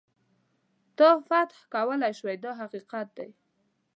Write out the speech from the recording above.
تا فتح کولای هم شي دا حقیقت دی.